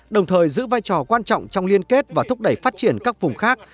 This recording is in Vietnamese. đồng thời giữ vai trò quan trọng trong liên kết và thúc đẩy phát triển các vùng khác